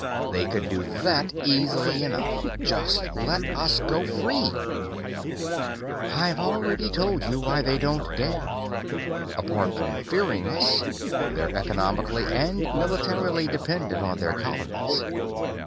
"They could do that easily enough. Just let us go free." "I've already told you why they don't dare. Apart from fearing us, they're economically and militarily dependent on their colonies.